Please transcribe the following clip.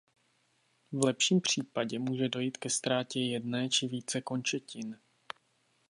V lepším případě může dojít ke ztrátě jedné či více končetin.